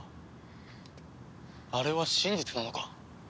あれは真実なのか？